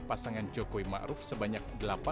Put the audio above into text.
pasangan jokowi ma'ruf sebanyak